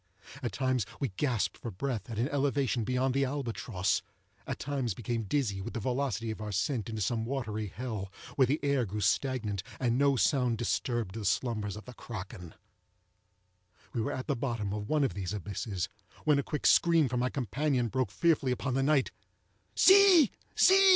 At times we gasped for breath at an elevation beyond the albatross—at times became dizzy with the velocity of our descent into some watery hell, where the air grew stagnant, and no sound disturbed the slumbers of the kraken. We were at the bottom of one of these abysses, when a quick scream from my companion broke fearfully upon the night. "See! see!"